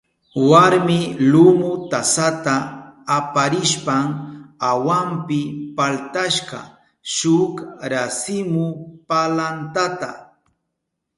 Warmi lumu tasata aparishpan awanpi paltashka shuk rasimu palantata.